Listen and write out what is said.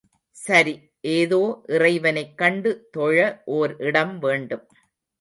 சரி, ஏதோ இறைவனைக் கண்டு தொழ ஓர் இடம் வேண்டும்.